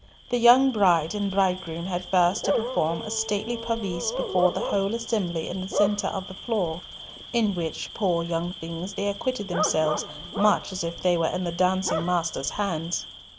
The young bride and bridegroom had first to perform a stately pavise before the whole assembly in the centre of the floor, in which, poor young things, they acquitted themselves much as if they were in the dancing master's hands.